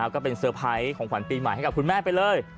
ก็เป็นเซอร์ไพรส์ของขวัญปีใหม่ให้กับคุณแม่ไปเลย